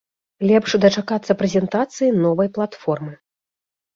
Лепш дачакацца прэзентацыі новай платформы.